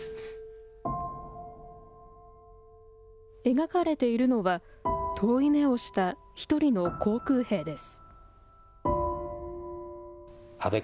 描かれているのは、遠い目をした１人の航空兵です。